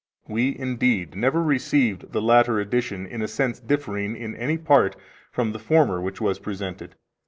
We, indeed, never received the latter edition in a sense differing in any part from the former which was presented.